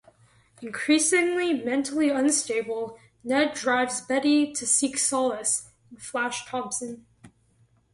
Increasingly mentally unstable, Ned drives Betty to seek solace in Flash Thompson.